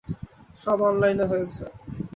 সব অনলাইনে হয়েছে।